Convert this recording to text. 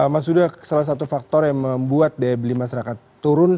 mas huda salah satu faktor yang membuat daya beli masyarakat turun